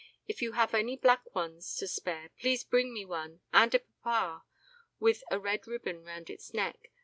if you have any black ones to spare please bring me one and a papa with a red ribbon around its neck.